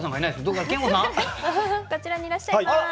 こちらにいらっしゃいます。